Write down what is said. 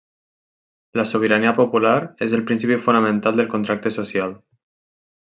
La sobirania popular és el principi fonamental del contracte social.